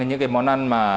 và những món ăn mà